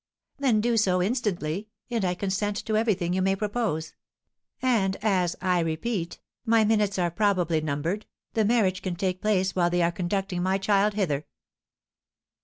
"Then do so instantly, and I consent to everything you may propose; and as, I repeat, my minutes are probably numbered, the marriage can take place while they are conducting my child hither."